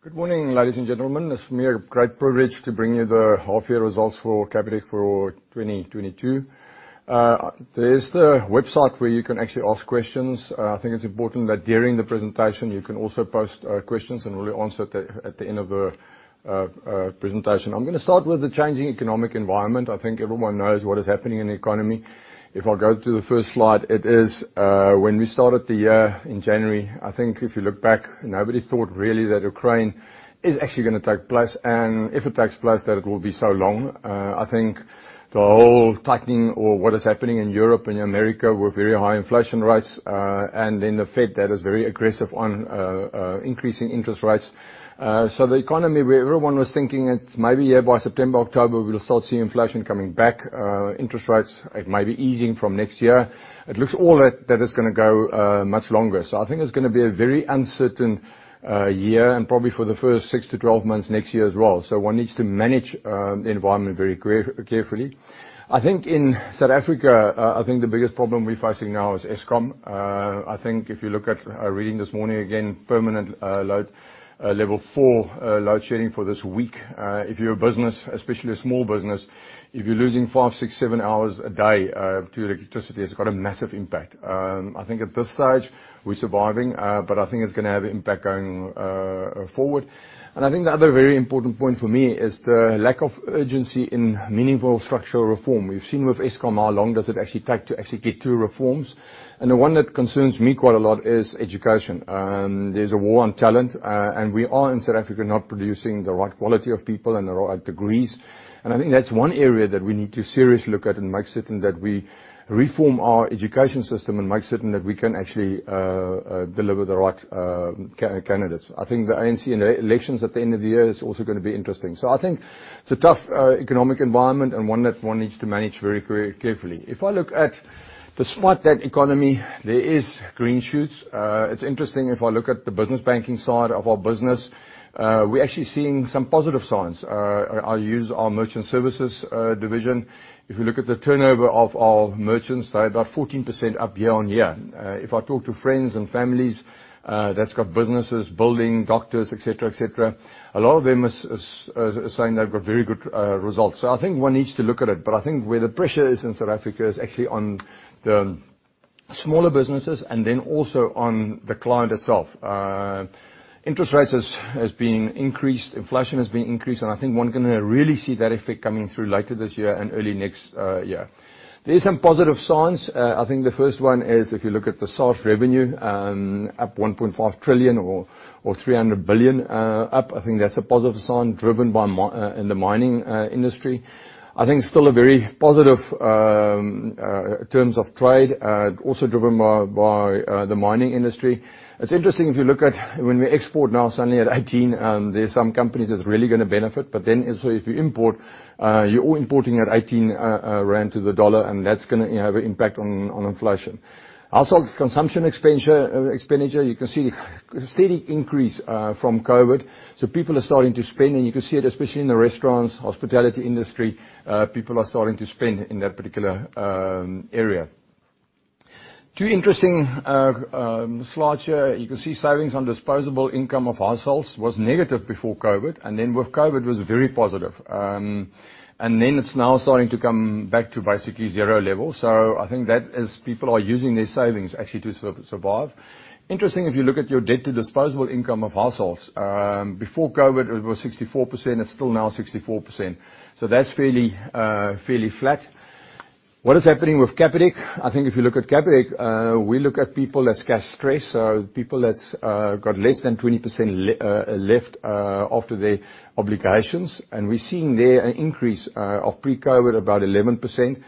Good morning, ladies and gentlemen. It's my great privilege to bring you the half year results for Capitec for 2023. There is the website where you can actually ask questions. I think it's important that during the presentation you can also post questions and we'll answer at the end of the presentation. I'm gonna start with the changing economic environment. I think everyone knows what is happening in the economy. If I go to the first slide, it is when we started the year in January. I think if you look back, nobody thought really that Ukraine is actually gonna take place, and if it takes place that it will be so long. I think the whole tightening or what is happening in Europe and America with very high inflation rates, and then the Fed that is very aggressive on increasing interest rates. The economy where everyone was thinking it may be, yeah, by September, October, we'll start seeing inflation coming back, interest rates, it may be easing from next year. It looks all that is gonna go much longer. I think it's gonna be a very uncertain year and probably for the first six months to 12 months next year as well. One needs to manage the environment very carefully. I think in South Africa, I think the biggest problem we're facing now is Eskom. I think if you look at our reading this morning, again, permanent load shedding level four for this week. If you're a business, especially a small business, if you're losing five, six, seven hours a day to electricity, it's got a massive impact. I think at this stage we're surviving, but I think it's gonna have impact going forward. I think the other very important point for me is the lack of urgency in meaningful structural reform. We've seen with Eskom, how long does it actually take to actually get to reforms? The one that concerns me quite a lot is education. There's a war on talent, and we are in South Africa not producing the right quality of people and the right degrees. I think that's one area that we need to seriously look at and make certain that we reform our education system and make certain that we can actually deliver the right candidates. I think the ANC and elections at the end of the year is also gonna be interesting. I think it's a tough economic environment and one that one needs to manage very carefully. If I look at despite that economy, there is green shoots. It's interesting if I look at the business banking side of our business, we're actually seeing some positive signs. I'll use our merchant services division. If you look at the turnover of our merchants, they're about 14% up year-on-year. If I talk to friends and families that's got businesses, building, doctors, et cetera, et cetera, a lot of them is saying they've got very good results. I think one needs to look at it, but I think where the pressure is in South Africa is actually on the smaller businesses and then also on the client itself. Interest rates has been increased, inflation has been increased, and I think one can really see that effect coming through later this year and early next year. There are some positive signs. I think the first one is if you look at the SARS revenue, up 1.5 trillion or 300 billion, I think that's a positive sign driven by in the mining industry. I think still a very positive terms of trade, also driven by the mining industry. It's interesting, if you look at when we export now suddenly at 18, there are some companies that's really gonna benefit. Also if you import, you're all importing at 18 rand to the dollar, and that's gonna have an impact on inflation. Household consumption expenditure, you can see a steady increase from COVID. People are starting to spend, and you can see it especially in the restaurants, hospitality industry, people are starting to spend in that particular area. Two interesting slides here. You can see savings on disposable income of households was negative before COVID, and then with COVID was very positive. And then it's now starting to come back to basically zero level. I think that is people are using their savings actually to survive. Interesting, if you look at your debt to disposable income of households. Before COVID, it was 64%. It's still now 64%. That's fairly flat. What is happening with Capitec? I think if you look at Capitec, we look at people as cash stressed, so people that's got less than 20% left after their obligations. We're seeing there an increase of pre-COVID about 11%.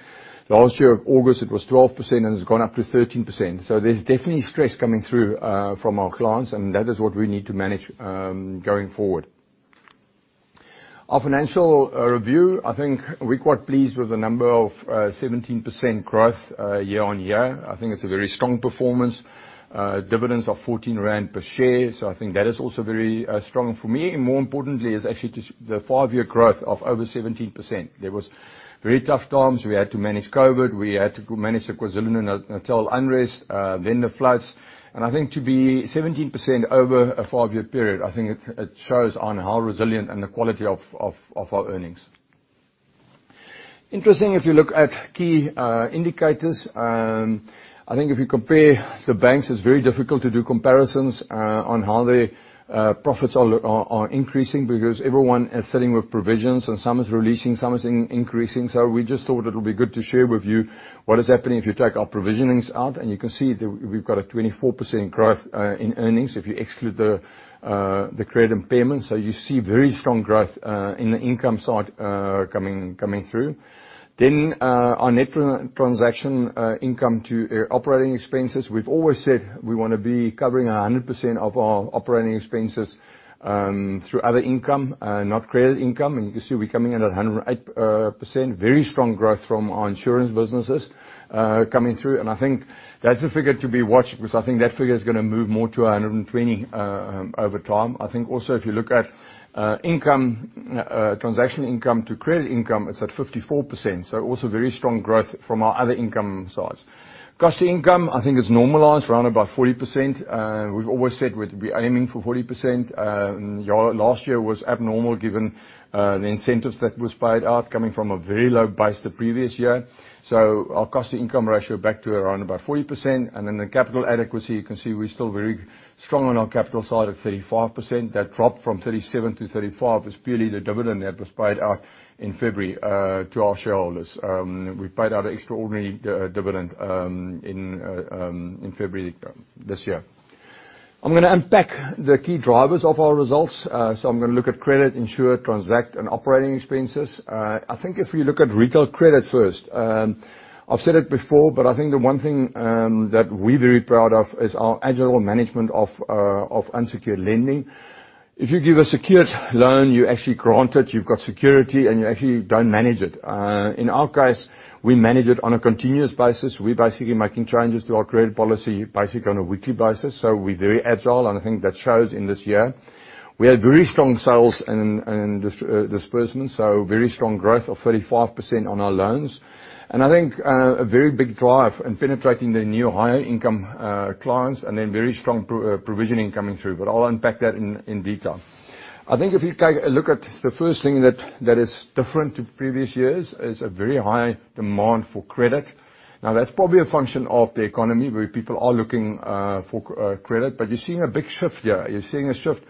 Last year of August, it was 12%, and it's gone up to 13%. There's definitely stress coming through from our clients, and that is what we need to manage going forward. Our financial review, I think we're quite pleased with the number of 17% growth year-on-year. I think it's a very strong performance. Dividends of 14 rand per share, so I think that is also very strong for me. More importantly is actually the five-year growth of over 17%. There were very tough times. We had to manage COVID. We had to manage the KwaZulu-Natal unrest, then the floods. I think to be 17% over a five-year period, I think it shows how resilient and the quality of our earnings. Interesting, if you look at key indicators, I think if you compare the banks, it's very difficult to do comparisons on how their profits are increasing because everyone is sitting with provisions and some is releasing, some is increasing. We just thought it would be good to share with you what is happening if you take our provisionings out, and you can see that we've got a 24% growth in earnings if you exclude the credit and payments. You see very strong growth in the income side coming through. Our net transaction income to operating expenses. We've always said we wanna be covering 100% of our operating expenses through other income, not credit income. You can see we're coming in at 108%. Very strong growth from our insurance businesses coming through. I think that's a figure to be watched because I think that figure is gonna move more to 120% over time. I think also if you look at, income, transaction income to credit income, it's at 54%. Also very strong growth from our other income sides. Cost-to-income, I think it's normalized around about 40%. We've always said we'd be aiming for 40%. Yeah, last year was abnormal given, the incentives that was paid out coming from a very low base the previous year. Our cost-to-income ratio back to around about 40%. The capital adequacy, you can see we're still very strong on our capital side of 35%. That drop from 37%-35% is purely the dividend that was paid out in February, to our shareholders. We paid out an extraordinary dividend in February this year. I'm gonna unpack the key drivers of our results. I'm gonna look at credit, insurance, transact, and operating expenses. I think if you look at retail credit first, I've said it before, but I think the one thing that we're very proud of is our agile management of of unsecured lending. If you give a secured loan, you actually grant it, you've got security, and you actually don't manage it. In our case, we manage it on a continuous basis. We're basically making changes to our credit policy basically on a weekly basis, so we're very agile, and I think that shows in this year. We had very strong sales and disbursements, so very strong growth of 35% on our loans. I think a very big drive in penetrating the new higher income clients, and then very strong provisioning coming through, but I'll unpack that in detail. I think if you take a look at the first thing that is different to previous years is a very high demand for credit. Now, that's probably a function of the economy where people are looking for credit, but you're seeing a big shift here. You're seeing a shift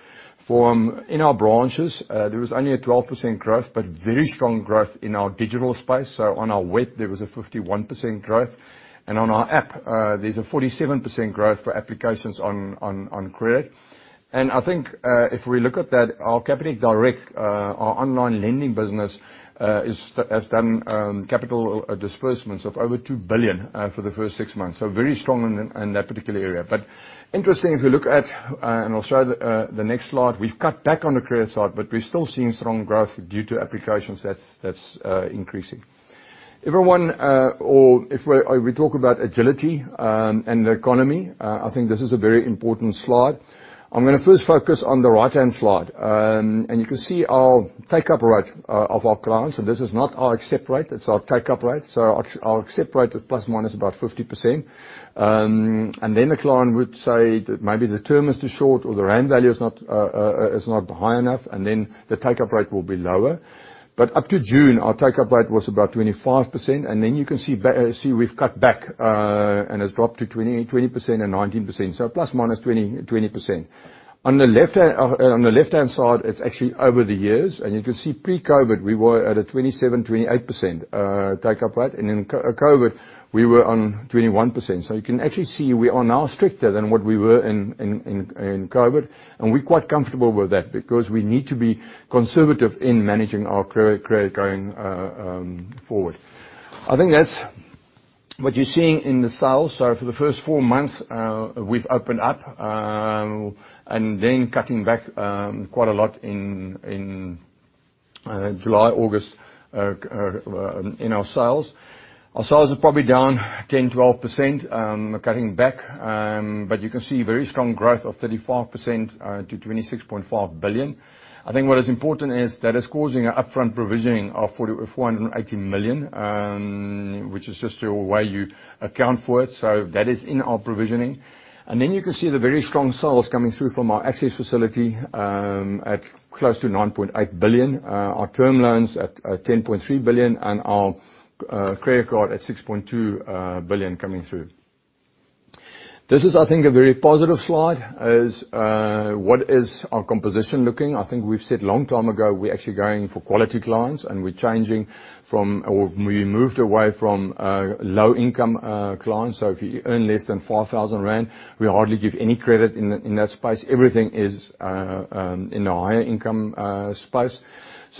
from in our branches, there was only a 12% growth, but very strong growth in our digital space. On our web, there was a 51% growth. And on our app, there's a 47% growth for applications on credit. I think if we look at that, our Capitec Direct, our online lending business, is... Has done capital disbursements of over 2 billion for the first six months, so very strong in that particular area. Interesting if you look at and I'll show the next slide, we've cut back on the credit side, but we're still seeing strong growth due to applications that's increasing. We talk about agility and the economy, I think this is a very important slide. I'm gonna first focus on the right-hand slide. You can see our take-up rate of our clients. This is not our accept rate, it's our take-up rate. Our accept rate is ± about 50%. The client would say that maybe the term is too short or the rand value is not high enough, and then the take-up rate will be lower. Up to June, our take-up rate was about 25%, and then you can see we've cut back, and it's dropped to 20%, 20% and 19%, so ±20%. On the left-hand side, it's actually over the years. You can see pre-COVID, we were at a 27%-28% take-up rate. In COVID, we were on 21%. You can actually see we are now stricter than what we were in COVID. We're quite comfortable with that because we need to be conservative in managing our credit going forward. I think that's what you're seeing in the sales. For the first four months, we've opened up and then cutting back quite a lot in July, August in our sales. Our sales are probably down 10%-12%, cutting back. You can see very strong growth of 35% to 26.5 billion. I think what is important is that is causing an upfront provisioning of 4,480 million, which is just the way you account for it, so that is in our provisioning. You can see the very strong sales coming through from our Access Facility at close to 9.8 billion. Our term loans at 10.3 billion, and our credit card at 6.2 billion coming through. This is, I think, a very positive slide. What is our composition looking like? I think we've said a long time ago, we're actually going for quality clients, and we moved away from low-income clients. If you earn less than 4,000 rand, we hardly give any credit in that space. Everything is in the higher income space.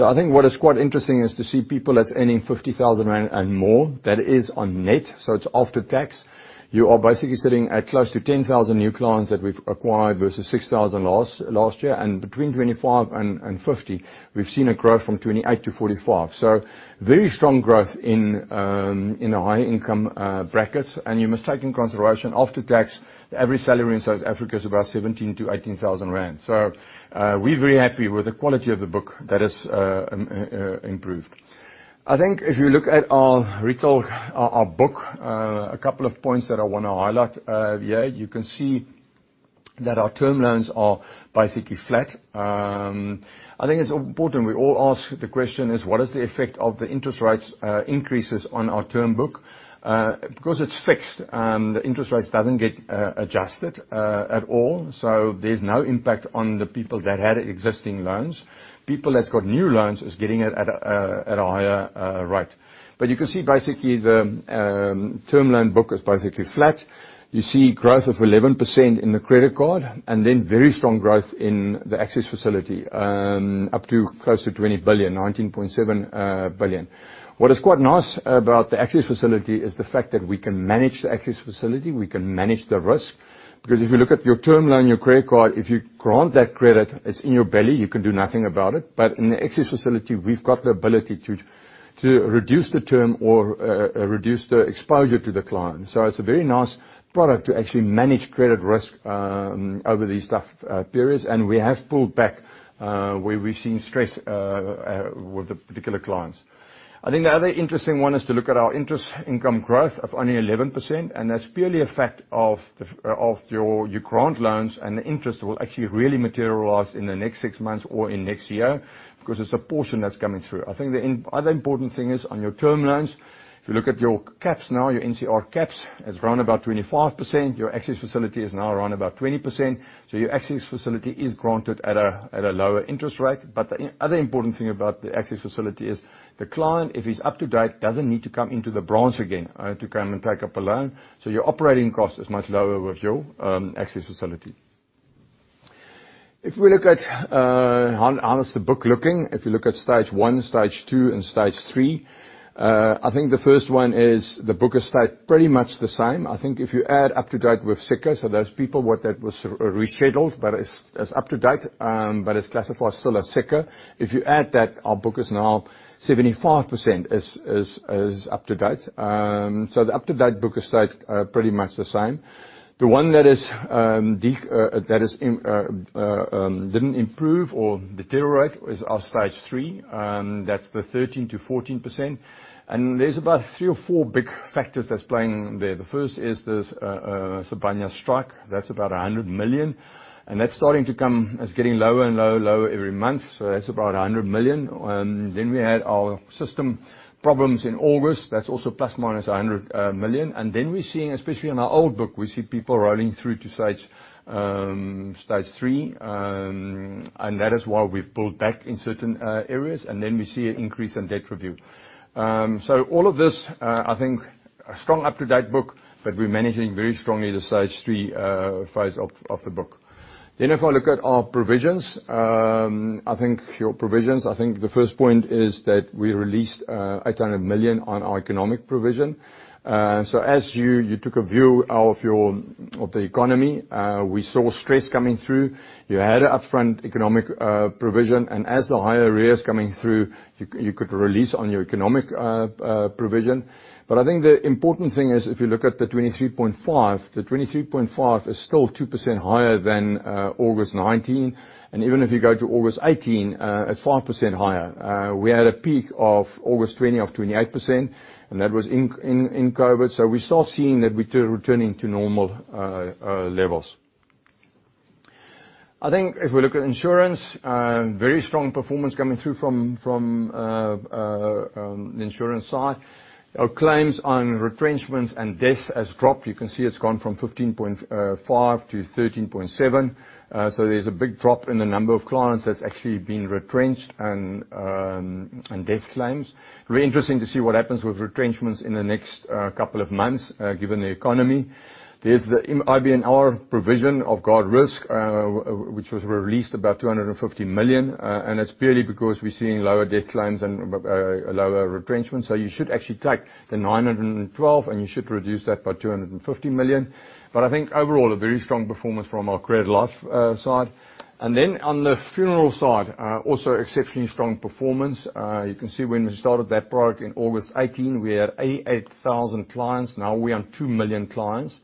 I think what is quite interesting is to see people that's earning 50,000 rand and more. That is on net, it's after tax. You are basically sitting at close to 10,000 new clients that we've acquired versus 6,000 new clients last year. Between 25,000 and 50,000, we've seen a growth from 28%-45%. Very strong growth in the high income brackets. You must take in consideration, after tax, every salary in South Africa is about 17,000-18,000 rand. We're very happy with the quality of the book that has improved. I think if you look at our retail book, a couple of points that I wanna highlight here. You can see that our term loans are basically flat. I think it's important we all ask the question is what is the effect of the interest rate increases on our term book? Because it's fixed, the interest rates doesn't get adjusted at all, so there's no impact on the people that had existing loans. People that's got new loans is getting it at a higher rate. You can see basically the term loan book is basically flat. You see growth of 11% in the credit card, and then very strong growth in the Access Facility, up to close to 20 billion, 19.7 billion. What is quite nice about the Access Facility is the fact that we can manage the Access Facility, we can manage the risk. Because if you look at your term loan, your credit card, if you grant that credit, it's in your belly, you can do nothing about it. But in the Access Facility, we've got the ability to reduce the term or reduce the exposure to the client. So it's a very nice product to actually manage credit risk over these tough periods. We have pulled back where we're seeing stress with the particular clients. I think the other interesting one is to look at our interest income growth of only 11%, and that's purely a fact that you grant loans and the interest will actually really materialize in the next six months or in next year, because there's a portion that's coming through. I think the other important thing is on your term loans, if you look at your caps now, your NCR caps, it's around about 25%. Your Access Facility is now around about 20%. Your Access Facility is granted at a lower interest rate. The other important thing about the Access Facility is the client, if he's up to date, doesn't need to come into the branch again to come and take up a loan. Your operating cost is much lower with your Access Facility. If we look at how is the book looking? If you look at Stage 1, Stage 2, and Stage 3, I think the first one is the book stayed pretty much the same. I think if you add up-to-date with SICR, those people that was rescheduled but is up to date but is classified still as SICR. If you add that, our book is now 75% up to date. The up-to-date book stayed pretty much the same. The one that didn't improve or deteriorate is our Stage 3. That's the 13%-14%. There's about three or four big factors that's playing there. The first is this, Sibanye-Stillwater strike. That's about 100 million. That's starting to come. It's getting lower and lower and lower every month. That's about 100 million. We had our system problems in August. That's also plus or minus 100 million. We're seeing, especially on our old book, we see people rolling through to Stage 3. That is why we've pulled back in certain areas. We see an increase in debt review. All of this, I think a strong up-to-date book, but we're managing very strongly the Stage 3 phase of the book. If I look at our provisions, I think your provisions, I think the first point is that we released 800 million on our economic provision. As you took a view of the economy, we saw stress coming through. You had an upfront economic provision, and as the higher rate is coming through, you could release on your economic provision. I think the important thing is, if you look at the 23.5%, the 23.5% is still 2% higher than August 2019. Even if you go to August 2018, it is 5% higher. We had a peak of August 2020 of 28%, and that was in COVID. We are still seeing that we are returning to normal levels. I think if we look at insurance, very strong performance coming through from the insurance side. Our claims on retrenchments and death has dropped. You can see it's gone from 15.5%-13.7%. So there's a big drop in the number of clients that's actually been retrenched and death claims. Very interesting to see what happens with retrenchments in the next couple of months, given the economy. There's the IBNR provision of Guardrisk, which was released about 250 million. And that's purely because we're seeing lower death claims and lower retrenchment. You should actually take the 912 million, and you should reduce that by 250 million. But I think overall, a very strong performance from our Credit Life side. Then on the funeral side, also exceptionally strong performance. You can see when we started that product in August 2018, we had 88,000 clients. Now we're on 2 million clients.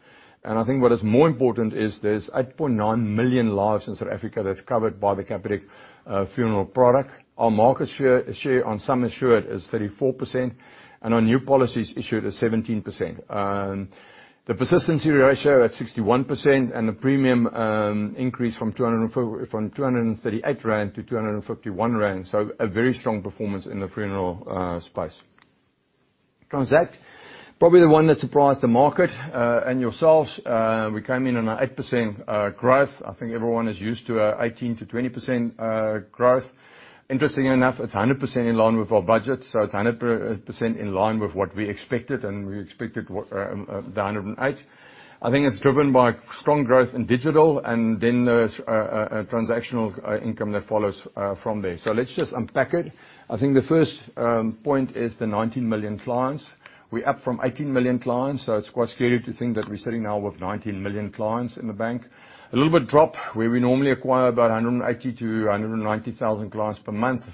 I think what is more important is there's 8.9 million lives in South Africa that's covered by the Capitec funeral product. Our market share on sum insured is 34%, and on new policies issued is 17%. The persistency ratio at 61% and the premium increased from 238-251 rand. A very strong performance in the funeral space. Transact, probably the one that surprised the market and yourselves. We came in on a 8% growth. I think everyone is used to 18%-20% growth. Interestingly enough, it's 100% in line with our budget, so it's 100% in line with what we expected, and we expected 108%. I think it's driven by strong growth in digital and then the transactional income that follows from there. Let's just unpack it. I think the first point is the 19 million clients. We're up from 18 million clients, so it's quite scary to think that we're sitting now with 19 million clients in the bank. A little bit drop, where we normally acquire about 180,000 clients-190,000 clients per month.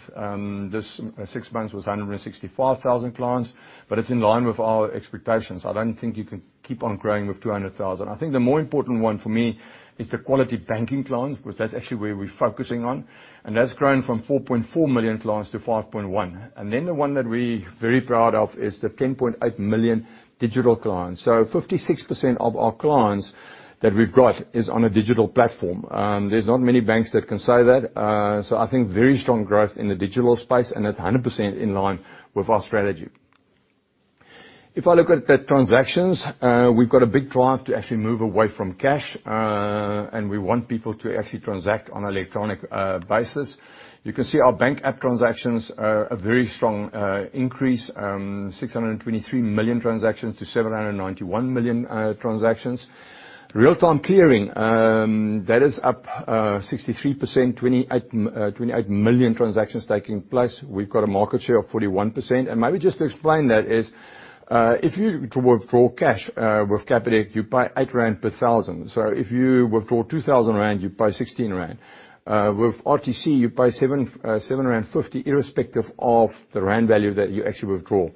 This six months was 165,000 clients, but it's in line with our expectations. I don't think you can keep on growing with 200,000 clients. I think the more important one for me is the quality banking clients because that's actually where we're focusing on. That's grown from 4.4 million clients-5.1 million clients. Then the one that we're very proud of is the 10.8 million digital clients. 56% of our clients that we've got is on a digital platform. There's not many banks that can say that. I think very strong growth in the digital space, and it's 100% in line with our strategy. If I look at the transactions, we've got a big drive to actually move away from cash, and we want people to actually transact on electronic basis. You can see our bank app transactions are a very strong increase, 623 million transactions-791 million transactions. Real-time clearing, that is up 63%, 28 million transactions taking place. We've got a market share of 41%. Maybe just to explain that is, if you withdraw cash with Capitec, you pay 8 rand per 1,000. So if you withdraw 2,000 rand, you pay 16 rand. With RTC, you pay 7.50 rand irrespective of the rand value that you actually withdraw.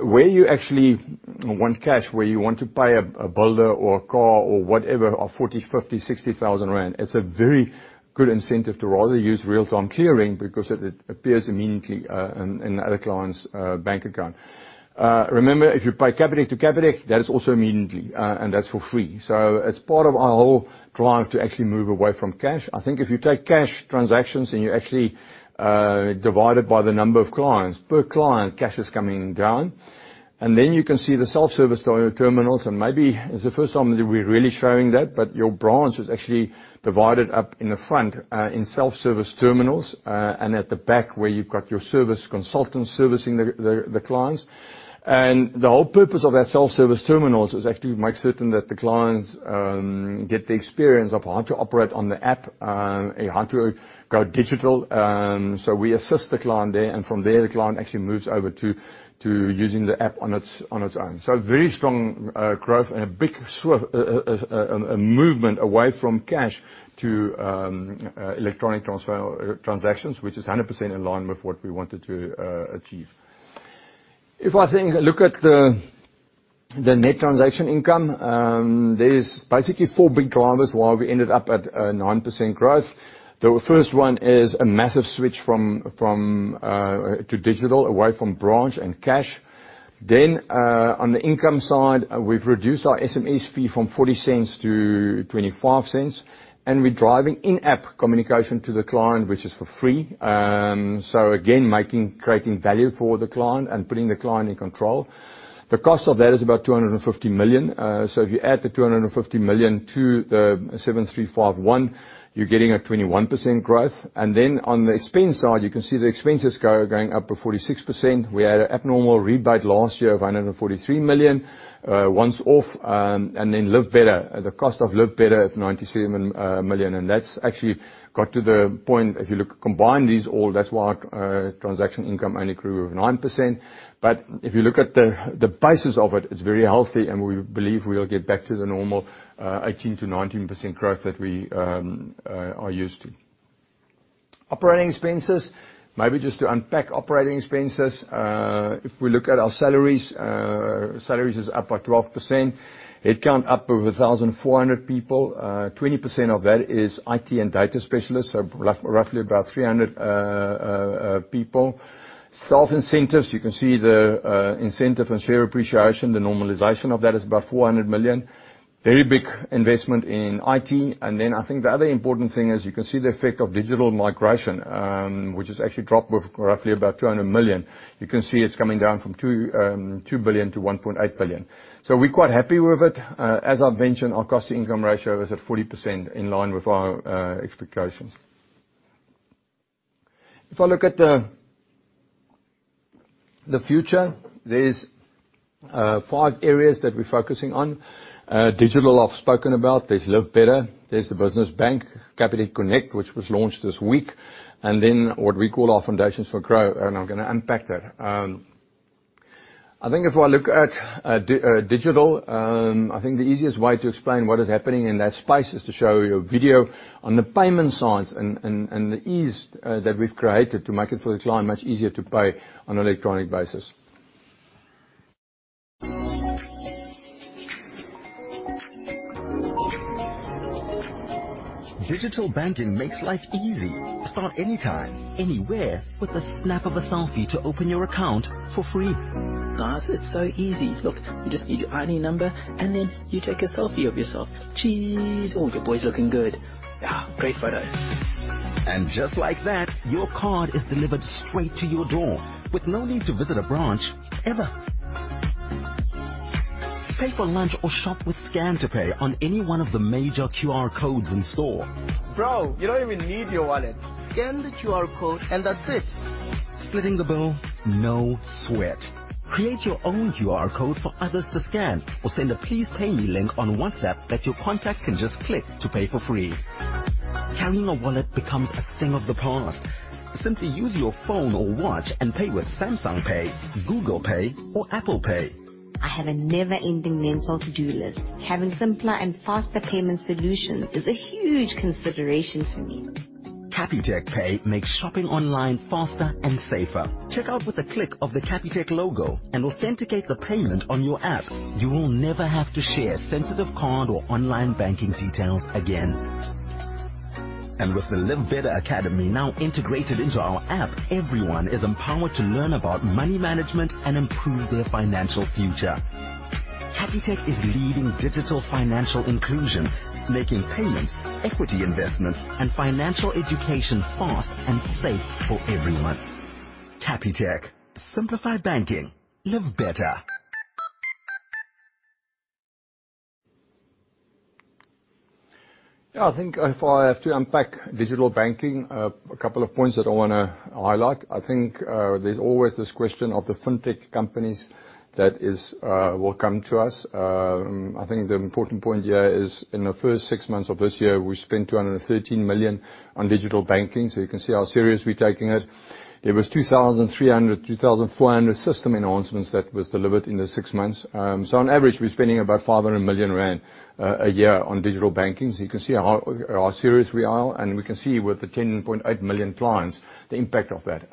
Where you actually want cash, where you want to pay a builder or a car or whatever, 40,000, 50,000, 60,000 rand, it's a very good incentive to rather use real-time clearing because it appears immediately in the other client's bank account. Remember, if you pay Capitec to Capitec, that is also immediately, and that's for free. It's part of our whole drive to actually move away from cash. I think if you take cash transactions and you actually divide it by the number of clients, per client, cash is coming down. You can see the self-service terminals, and maybe it's the first time that we're really showing that, but your branch is actually divided up in the front, in self-service terminals, and at the back where you've got your service consultants servicing the clients. The whole purpose of that self-service terminals is actually make certain that the clients get the experience of how to operate on the app, and how to go digital. We assist the client there, and from there, the client actually moves over to using the app on its own. Very strong growth and a big movement away from cash to electronic transfer transactions, which is 100% in line with what we wanted to achieve. If I think, look at the net transaction income, there is basically four big drivers why we ended up at 9% growth. The first one is a massive switch from to digital, away from branch and cash. On the income side, we've reduced our SMS fee from 0.40-0.25, and we're driving in-app communication to the client, which is for free. Again, making, creating value for the client and putting the client in control. The cost of that is about 250 million. If you add the 250 million to the 7351, you're getting a 21% growth. Then on the expense side, you can see the expenses going up to 46%. We had an abnormal rebate last year of 143 million, once off, and then Live Better. The cost of Live Better is 97 million, and that's actually got to the point, if you look, combine these all, that's why transaction income only grew 9%. If you look at the basis of it's very healthy, and we believe we'll get back to the normal 18%-19% growth that we are used to. Operating expenses. Maybe just to unpack operating expenses. If we look at our salaries is up by 12%. Headcount up over 1,400 people. Twenty percent of that is IT and data specialists, so roughly about 300 people. Staff incentives, you can see the incentives and share appreciation. The normalization of that is about 400 million. Very big investment in IT. I think the other important thing is you can see the effect of digital migration, which has actually dropped with roughly about 200 million. You can see it's coming down from 2 billion-1.8 billion. We're quite happy with it. As I've mentioned, our cost-to-income ratio is at 40% in line with our expectations. If I look at the future, there's five areas that we're focusing on. Digital I've spoken about. There's Live Better. There's the Business Bank, Capitec Connect, which was launched this week, and then what we call our foundations for growth. I'm gonna unpack that. I think if I look at digital, I think the easiest way to explain what is happening in that space is to show you a video on the payment side and the ease that we've created to make it for the client much easier to pay on an electronic basis. Digital banking makes life easy. Start anytime, anywhere, with the snap of a selfie to open your account for free. Guys, it's so easy. Look, you just need your ID number, and then you take a selfie of yourself. Cheese. Oh, your boy's looking good. Yeah, great photo. Just like that, your card is delivered straight to your door with no need to visit a branch, ever. Pay for lunch or shop with Scan to Pay on any one of the major QR codes in store. Bro, you don't even need your wallet. Scan the QR code, and that's it. Splitting the bill, no sweat. Create your own QR code for others to scan or send a Pay Me link on WhatsApp that your contact can just click to pay for free. Carrying a wallet becomes a thing of the past. Simply use your phone or watch and pay with Samsung Pay, Google Pay, or Apple Pay. I have a never-ending mental to-do list. Having simpler and faster payment solutions is a huge consideration for me. Capitec Pay makes shopping online faster and safer. Check out with a click of the Capitec logo and authenticate the payment on your app. You will never have to share sensitive card or online banking details again. With the Live Better Academy now integrated into our app, everyone is empowered to learn about money management and improve their financial future. Capitec is leading digital financial inclusion, making payments, equity investments, and financial education fast and safe for everyone. Capitec. Simplify banking. Live better. Yeah, I think if I have to unpack digital banking, a couple of points that I wanna highlight. I think, there's always this question of the fintech companies that is will come to us. I think the important point here is in the first six months of this year, we spent 213 million on digital banking. So you can see how serious we're taking it. There was 2,300 system enhancements-2,400 system enhancements that was delivered in the six months. So on average, we're spending about 500 million rand a year on digital banking. So you can see how serious we are. We can see with the 10.8 million clients, the impact of that.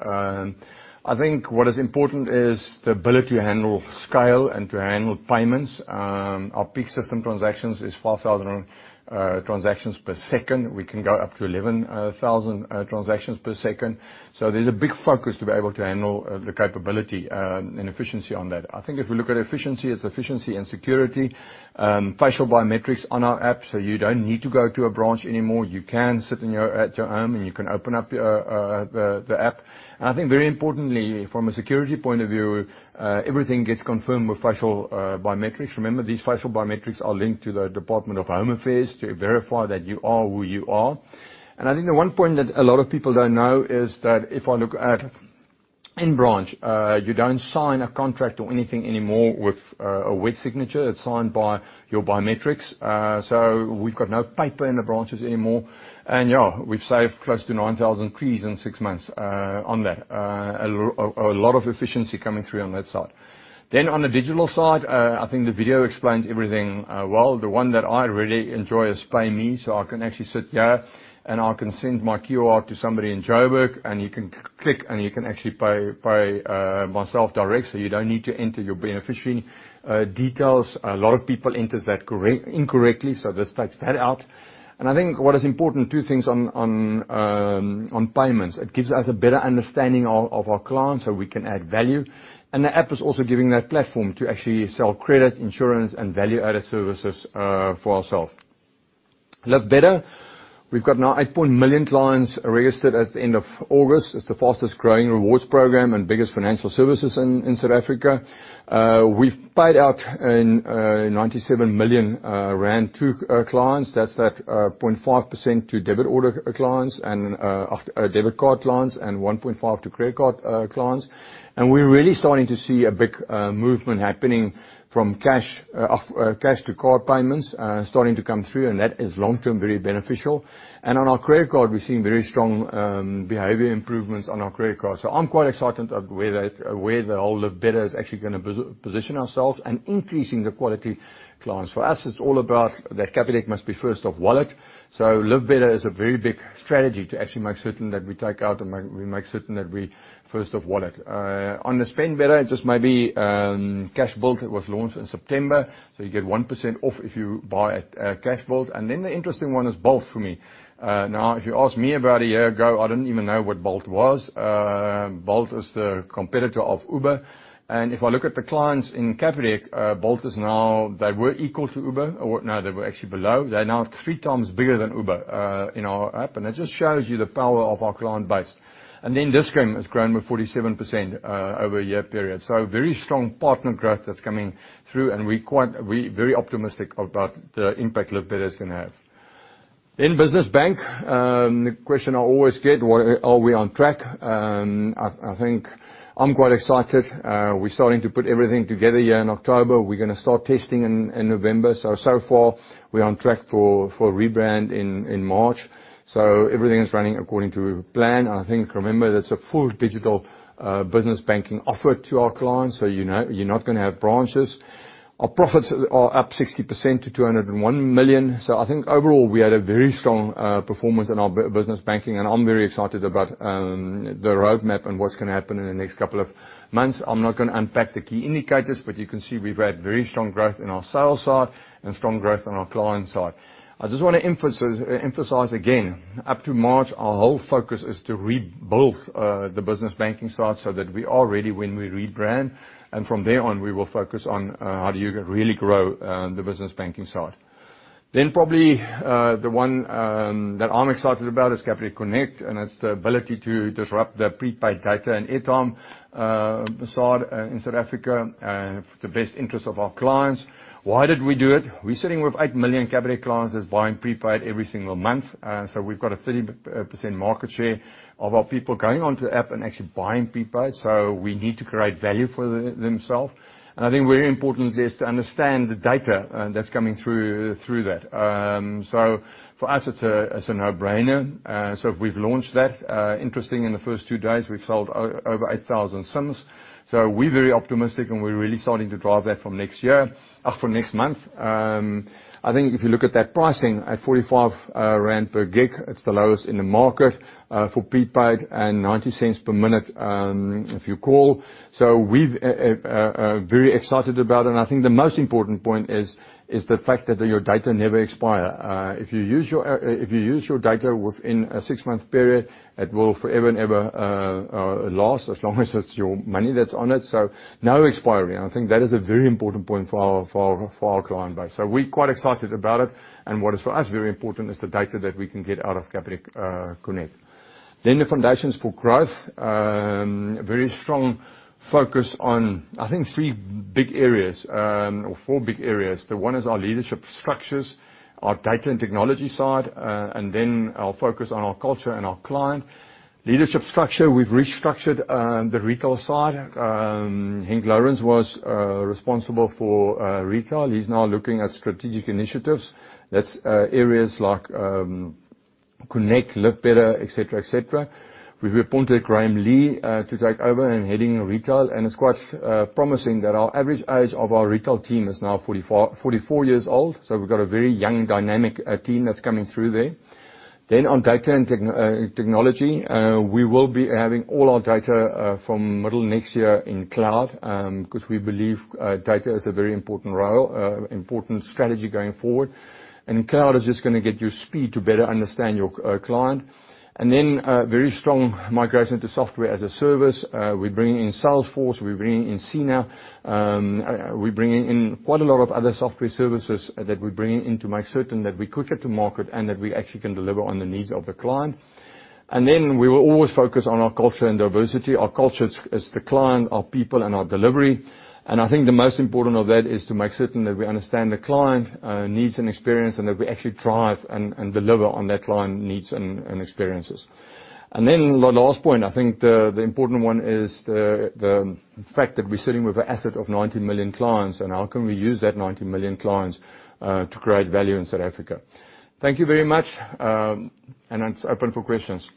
I think what is important is the ability to handle scale and to handle payments. Our peak system transactions is 4,000 transactions per second. We can go up to 11,000 transactions per second. There's a big focus to be able to handle the capability and efficiency on that. I think if we look at efficiency, it's efficiency and security. Facial biometrics on our app, so you don't need to go to a branch anymore. You can sit at your home, and you can open up the app. I think very importantly, from a security point of view, everything gets confirmed with facial biometrics. Remember, these facial biometrics are linked to the Department of Home Affairs to verify that you are who you are. I think the one point that a lot of people don't know is that if I look at in branch, you don't sign a contract or anything anymore with a wet signature. It's signed by your biometrics. So we've got no paper in the branches anymore. Yeah, we've saved close to 9,000 trees in six months on that. A lot of efficiency coming through on that side. On the digital side, I think the video explains everything well. The one that I really enjoy is PayMe, so I can actually sit here and I can send my QR to somebody in Jo'burg, and you can click and you can actually pay myself directly. You don't need to enter your beneficiary details. A lot of people enter that incorrectly, so this takes that out. I think what is important, two things on payments. It gives us a better understanding of our clients so we can add value, and the app is also giving that platform to actually sell credit, insurance, and value-added services for ourself. Live Better, we've got now 8 million clients registered at the end of August. It's the fastest growing rewards program and biggest financial services in South Africa. We've paid out 97 million rand to our clients. That's 0.5% to debit order clients and debit card clients and 1.5% to credit card clients. We're really starting to see a big movement happening from cash to card payments starting to come through, and that is long-term very beneficial. On our credit card, we're seeing very strong behavior improvements on our credit card. I'm quite excited of where that, where the whole Live Better is actually gonna position ourselves and increasing the quality clients. For us, it's all about that Capitec must be first of wallet. Live Better is a very big strategy to actually make certain that we take out and we make certain that we first of wallet. On the Spend Better, just maybe, Cashbuild was launched in September, so you get 1% off if you buy at Cashbuild. Then the interesting one is Bolt for me. Now if you asked me about a year ago, I didn't even know what Bolt was. Bolt is the competitor of Uber, and if I look at the clients in Capitec, Bolt is now... They were equal to Uber. Or no, they were actually below. They're now 3x bigger than Uber in our app, and it just shows you the power of our client base. Dis-Chem has grown by 47% over a year period. Very strong partner growth that's coming through, and we're very optimistic about the impact Live Better is gonna have. In Business Bank, the question I always get, are we on track? I think I'm quite excited. We're starting to put everything together here in October. We're gonna start testing in November. So far we're on track for a rebrand in March. Everything is running according to plan. I think, remember, that's a full digital business banking offer to our clients, so you know you're not gonna have branches. Our profits are up 60% to 201 million. I think overall we had a very strong performance in our business banking, and I'm very excited about the roadmap and what's gonna happen in the next couple of months. I'm not gonna unpack the key indicators, but you can see we've had very strong growth in our sales side and strong growth on our client side. I just wanna emphasize again, up to March, our whole focus is to rebuild the business banking side so that we are ready when we rebrand. From there on, we will focus on how do you really grow the business banking side. Probably the one that I'm excited about is Capitec Connect, and it's the ability to disrupt the prepaid data and airtime side in South Africa for the best interest of our clients. Why did we do it? We're sitting with 8 million Capitec clients that's buying prepaid every single month. We've got a 30% market share of our people going onto the app and actually buying prepaid, so we need to create value for them, themselves. I think very important is to understand the data that's coming through that. For us, it's a no-brainer. We've launched that. Interesting, in the first two days, we've sold over 8,000 SIMs. We're very optimistic, and we're really starting to drive that from next year. From next month. I think if you look at that pricing, at 45 rand per GB, it's the lowest in the market for prepaid and 0.90 per minute if you call. We're very excited about it. I think the most important point is the fact that your data never expire. If you use your data within a six-month period, it will forever and ever last as long as it's your money that's on it. No expiry, and I think that is a very important point for our client base. We're quite excited about it. What is for us very important is the data that we can get out of Capitec Connect. The foundations for growth. Very strong focus on, I think, three big areas, or four big areas. The one is our leadership structures, our data and technology side, and then our focus on our culture and our client. Leadership structure, we've restructured the retail side. Henk Lourens was responsible for retail. He's now looking at strategic initiatives. That's areas like Connect, Live Better, et cetera, et cetera. We've appointed Graham Lee to take over in heading retail. It's quite promising that our average age of our retail team is now 44 years old, so we've got a very young and dynamic team that's coming through there. On data and technology, we will be having all our data from middle next year in cloud, 'cause we believe data is a very important role, important strategy going forward. Cloud is just gonna get you speed to better understand your client. Very strong migration to software as a service. We're bringing in Salesforce. We're bringing in Sena. We're bringing in quite a lot of other software services that we're bringing in to make certain that we're quicker to market and that we actually can deliver on the needs of the client. We will always focus on our culture and diversity. Our culture is the client, our people, and our delivery. I think the most important of that is to make certain that we understand the client needs and experience, and that we actually drive and deliver on that client needs and experiences. Then the last point, I think the important one is the fact that we're sitting with an asset of 90 million clients and how can we use that 90 million clients to create value in South Africa. Thank you very much. It's open for questions.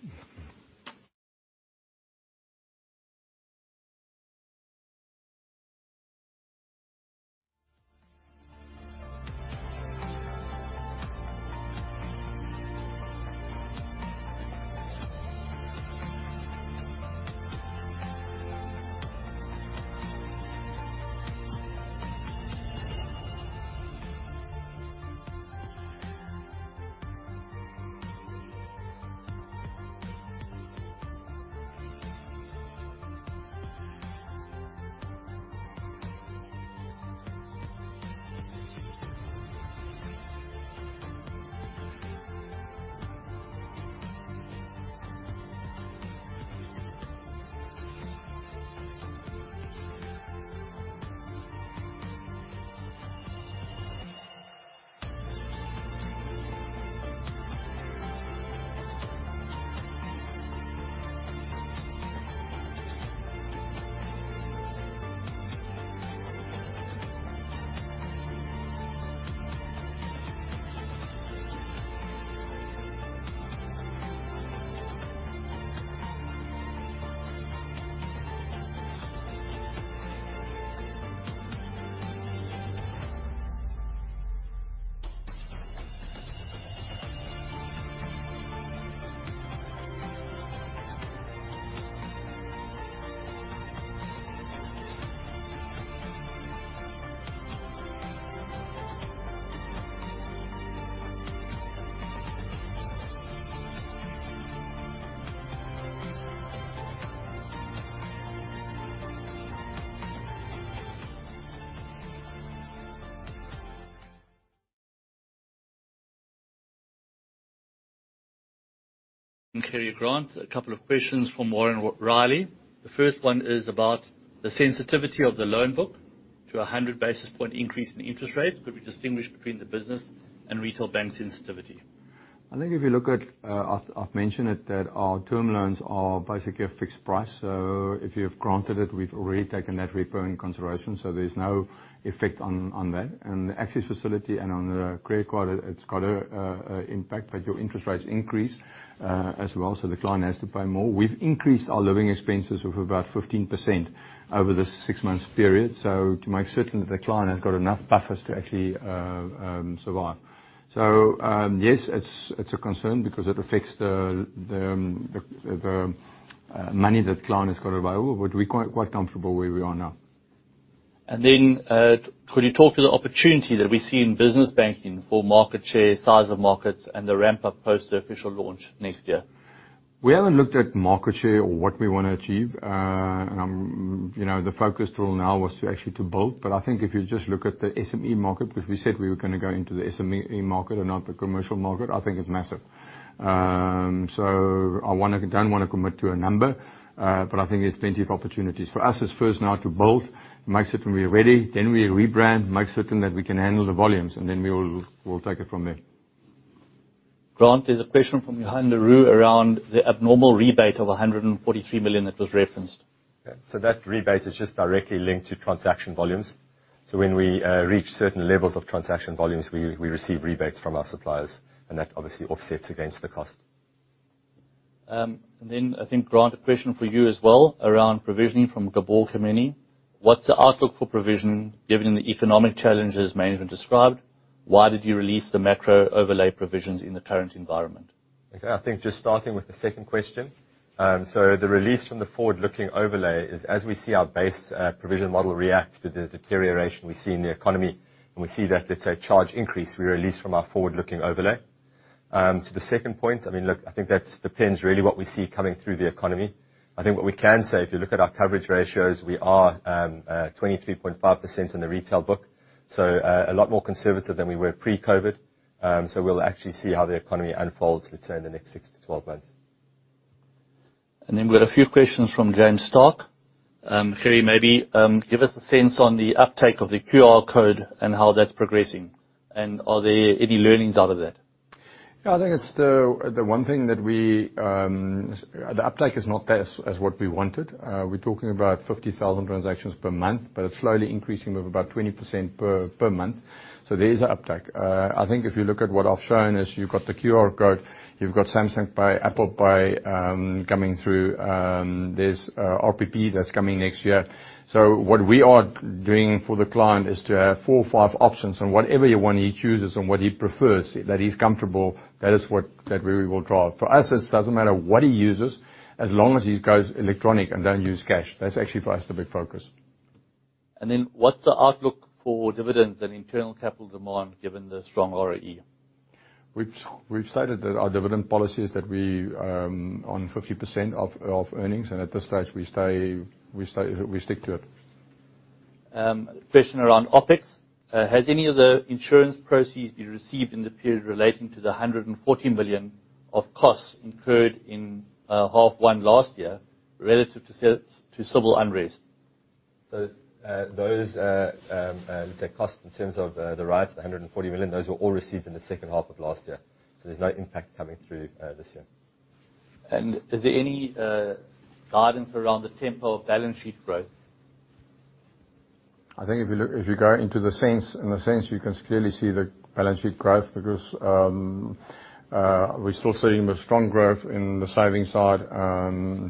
and Grant, a couple of questions from Warren Riley. The first one is about the sensitivity of the loan book to a 100 basis point increase in interest rates. Could we distinguish between the Business Bank and retail bank sensitivity? I think if you look at, I've mentioned it, that our term loans are basically a fixed price. If you have granted it, we've already taken that repo in consideration. There's no effect on that. The Access Facility and the credit card, it's got an impact that your interest rates increase as well. The client has to pay more. We've increased our living expenses of about 15% over this six-month period. To make certain that the client has got enough buffers to actually survive. Yes, it's a concern because it affects the money that the client has got available, but we're quite comfortable where we are now. Could you talk to the opportunity that we see in business banking for market share, size of markets and the ramp up post official launch next year? We haven't looked at market share or what we wanna achieve. You know, the focus till now was to actually build. I think if you just look at the SME market, which we said we were gonna go into the SME market and not the commercial market, I think it's massive. I don't wanna commit to a number, but I think there's plenty of opportunities. For us, it's first now to build, make certain we are ready, then we rebrand, make certain that we can handle the volumes and then we'll take it from there. Grant, there's a question from Johann de Roux around the abnormal rebate of 143 million that was referenced. Yeah. That rebate is just directly linked to transaction volumes. When we reach certain levels of transaction volumes, we receive rebates from our suppliers, and that obviously offsets against the cost. I think, Grant, a question for you as well around provisioning from Gabor Hemini. What's the outlook for provision given the economic challenges management described? Why did you release the macro overlay provisions in the current environment? Okay. I think just starting with the second question. The release from the forward-looking overlay is, as we see our base provision model react to the deterioration we see in the economy, and we see that, let's say, charge increase, we release from our forward-looking overlay. To the second point, I mean, look, I think that depends really what we see coming through the economy. I think what we can say, if you look at our coverage ratios, we are 23.5% in the retail book, so a lot more conservative than we were pre-COVID. We'll actually see how the economy unfolds, let's say in the next six months to 12 months. We've got a few questions from James Starke. Gary, maybe give us a sense on the uptake of the QR code and how that's progressing. Are there any learnings out of that? Yeah, I think it's the one thing that we. The uptake is not there as what we wanted. We're talking about 50,000 transactions per month, but it's slowly increasing of about 20% per month. There is an uptake. I think if you look at what I've shown, you've got the QR code. You've got Samsung Pay, Apple Pay coming through. There's RPP that's coming next year. What we are doing for the client is to have four or five options. Whatever one he chooses and what he prefers, that he's comfortable, that is what we will drive. For us, it doesn't matter what he uses, as long as he goes electronic and don't use cash. That's actually for us the big focus. What's the outlook for dividends and internal capital demand given the strong ROE? We've stated that our dividend policy is 50% of earnings, and at this stage we stick to it. Question around OpEx. Has any of the insurance proceeds been received in the period relating to 114 million of costs incurred in half one last year relative to civil unrest? Those, let's say costs in terms of the rights, the 140 million, those were all received in the second half of last year. There's no impact coming through this year. Is there any guidance around the tempo of balance sheet growth? I think if you go into the sense, in a sense, you can clearly see the balance sheet growth because we're still seeing the strong growth in the savings side,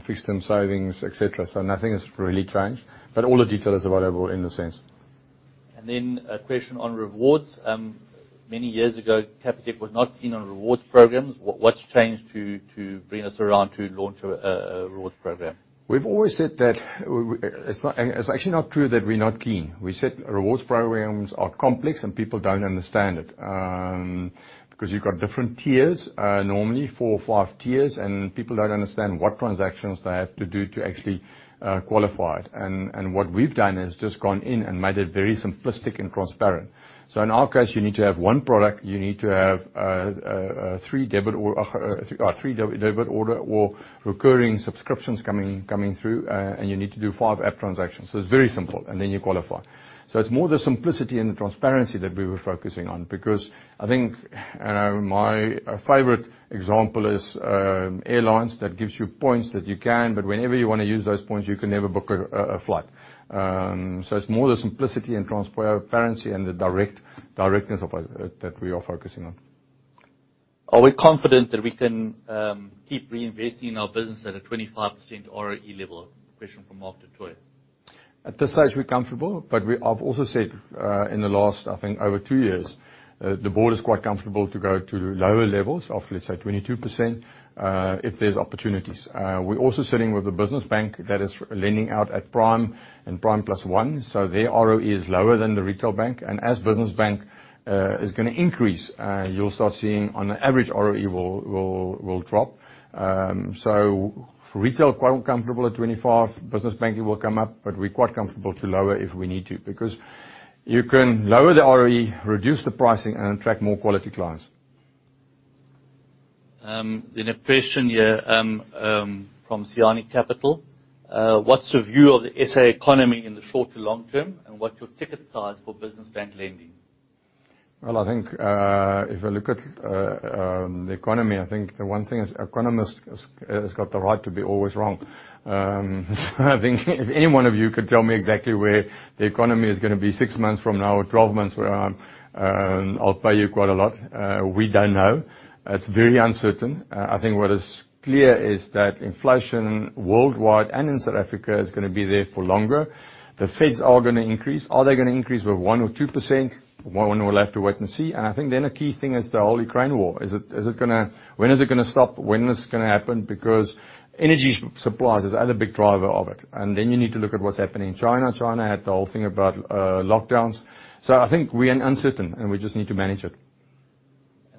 fixed term savings, et cetera. Nothing has really changed, but all the detail is available in the sense. A question on rewards. Many years ago, Capitec was not keen on rewards programs. What's changed to bring us around to launch a rewards program? We've always said that it's actually not true that we're not keen. We said rewards programs are complex and people don't understand it, because you've got different tiers, normally four or five tiers, and people don't understand what transactions they have to do to actually qualify. What we've done is just gone in and made it very simplistic and transparent. In our case, you need to have one product. You need to have three debit order or recurring subscriptions coming through. You need to do five app transactions. It's very simple, and then you qualify. It's more the simplicity and the transparency that we were focusing on because I think, my favorite example is, airlines that gives you points that you can, but whenever you want to use those points, you can never book a flight. It's more the simplicity and transparency and the directness of it, that we are focusing on. Are we confident that we can keep reinvesting in our business at a 25% ROE level? Question from Mark Du Toit. At this stage, we're comfortable, but we have also said in the last, I think over two years, the board is quite comfortable to go to lower levels of, let's say, 22%, if there's opportunities. We're also sitting with a Business Bank that is lending out at prime and prime plus one. So their ROE is lower than the retail bank. As Business Bank is gonna increase, you'll start seeing on average ROE will drop. For retail, quite comfortable at 25. Business Banking will come up, but we're quite comfortable to lower if we need to, because you can lower the ROE, reduce the pricing and attract more quality clients. A question here from Cygnia Capital. What's your view of the SA economy in the short to long term, and what's your ticket size for Business Bank lending? Well, I think if you look at the economy, I think one thing is economists has got the right to be always wrong. I think if any one of you could tell me exactly where the economy is gonna be six months from now or 12 months from now, I'll pay you quite a lot. We don't know. It's very uncertain. I think what is clear is that inflation worldwide and in South Africa is gonna be there for longer. The Fed are gonna increase. Are they gonna increase with 1% or 2%? Well, we'll have to wait and see. I think then a key thing is the whole Ukraine war. Is it gonna stop? When is this gonna happen? Because energy suppliers is another big driver of it. You need to look at what's happening in China. China had the whole thing about, lockdowns. I think we are uncertain, and we just need to manage it.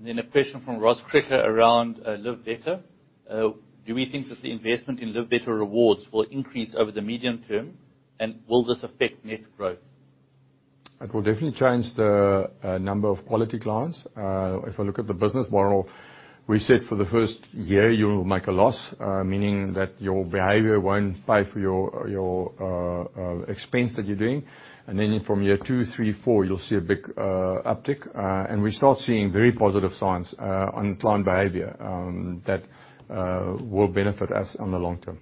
A question from Ross Krige around Live Better. Do we think that the investment in Live Better rewards will increase over the medium term, and will this affect net growth? It will definitely change the number of quality clients. If you look at the business model, we said for the first year you will make a loss, meaning that your behavior won't pay for your expense that you're doing. From year two, three, four, you'll see a big uptick. We start seeing very positive signs on client behavior that will benefit us on the long term.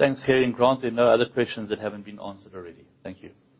Thanks, Gerry. Grant, no other questions that haven't been answered already. Thank you.